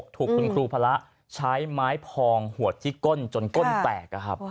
ถูกคุณครูพระใช้ไม้พองหัวที่ก้นจนก้นแตก